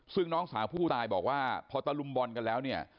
ซึ่งน้องสาวผู้ตายบอกว่าพอตะลุมบอลกันแล้วเนี่ย